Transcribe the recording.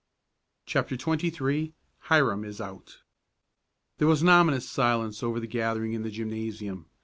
CHAPTER XXIII HIRAM IS OUT There was an ominous silence over the gathering in the gymnasium.